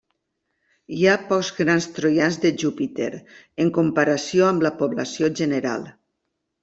Hi ha pocs grans troians de Júpiter en comparació amb la població general.